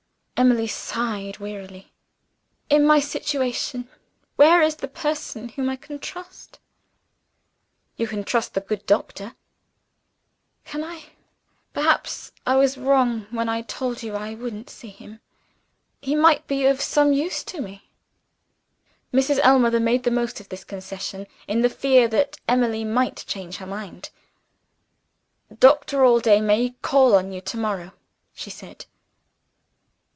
Emily sighed wearily. "In my situation, where is the person whom I can trust?" "You can trust the good doctor." "Can I? Perhaps I was wrong when I told you I wouldn't see him. He might be of some use to me." Mrs. Ellmother made the most of this concession, in the fear that Emily might change her mind. "Doctor Allday may call on you tomorrow," she said.